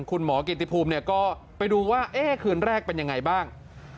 คุณหมอกิติภูมิก็ไปดูว่าแอ้คืนแรกเป็นอย่างไรบ้าง